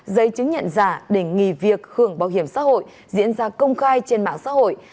giấy chứng nhận giả để nghỉ việc hưởng bảo hiểm xã hội diễn ra công khai trên mạng xã hội